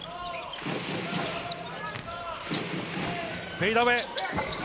フェイダウェイ。